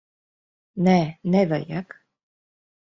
Nē, nevajag.